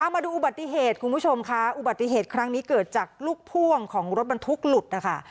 มาดูอุบัติเหตุคุณผู้ชมค่ะอุบัติเหตุครั้งนี้เกิดจากลูกพ่วงของรถบรรทุกหลุดนะคะ